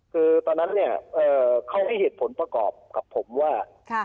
คือตอนนั้นเนี่ยเขาให้เหตุผลประกอบกับผมว่า